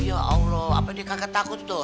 ya allah apa dia kakak takut tuh